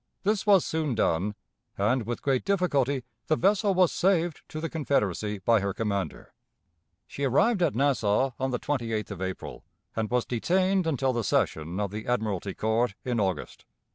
This was soon done, and with great difficulty the vessel was saved to the Confederacy by her commander. She arrived at Nassau on the 28th of April, and was detained until the session of the Admiralty Court in August.